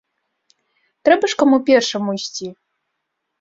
Трэба ж каму першаму ісці.